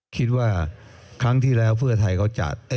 คิดว่าครั้งที่แล้วเพื่อไทยเขาจัด